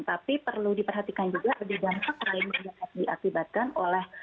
tapi perlu diperhatikan juga ada dampak lain yang diakibatkan oleh